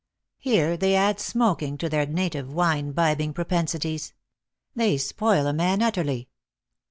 Here they add smok ing to their native wine bibbing propensities. They spoil a man utterly."